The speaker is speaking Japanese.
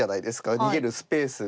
逃げるスペースが。